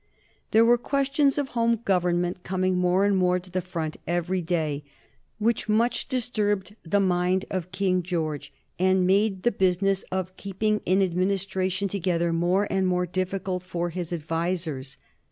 There were questions of home government coming more and more to the front every day, which much disturbed the mind of King George, and made the business of keeping an Administration together more and more difficult for his advisers.